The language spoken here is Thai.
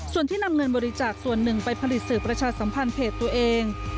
ส่วนที่นำเงินบริจาคส่วนหนึ่งไปผลิตสื่อประชาสัมพันธ์เพจตัวเอง